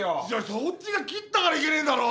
そっちが切ったからいけねえんだろ！